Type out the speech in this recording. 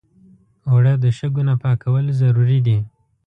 اوړه د شګو نه پاکول ضروري دي